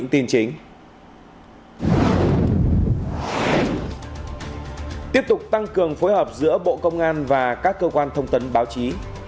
tiếp tục tăng cường phối hợp giữa bộ công an và các cơ quan thông tấn báo chí